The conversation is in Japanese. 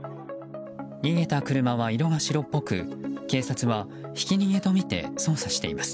逃げた車は色が白っぽく警察はひき逃げとみて捜査しています。